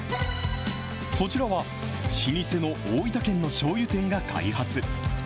こちらは、老舗の大分県のしょうゆ店が開発。